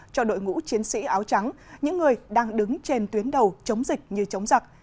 cho đội ngũ chiến sĩ áo trắng những người đang đứng trên tuyến đầu chống dịch như chống giặc